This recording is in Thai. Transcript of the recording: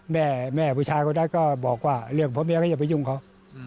แม่ผู้ชายเขาได้ก็บอกว่าเรื่องของผัวเมียเขาอย่าไปยุ่งเขา